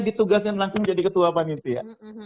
ditugaskan langsung jadi ketua panitia